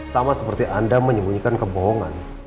sama seperti anda menyembunyikan kebohongan